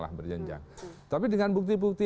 lah berjenjang tapi dengan bukti bukti